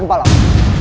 aku akan selamat